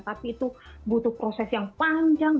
tapi itu butuh proses yang panjang